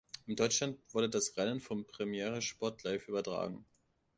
In Deutschland wurde das Rennen von Premiere Sport live übertragen.